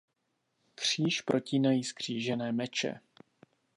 Kříž protínají zkřížené meče.